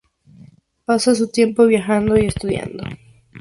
Pasa su tiempo viajando y estudiando.